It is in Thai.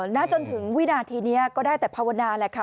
ณจนถึงวินาทีนี้ก็ได้แต่ภาวนาแหละค่ะ